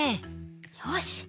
よし。